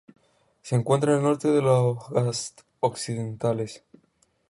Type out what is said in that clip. Se encuentra en el norte de los Ghats occidentales.